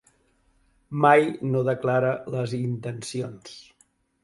Mai no declara les intencions.